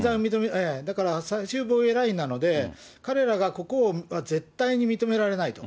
最終防衛ラインなので、彼らがここは絶対に認められないと。